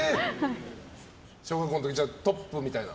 小学校の時トップみたいな？